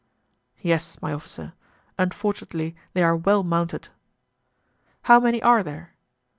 "Yes, my officer; unfortunately, they are well mounted." "How many are there?"